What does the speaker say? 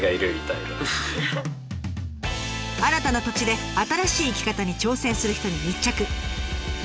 新たな土地で新しい生き方に挑戦する人に密着。